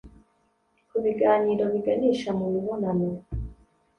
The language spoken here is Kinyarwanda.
ku biganiro biganisha mu mibonano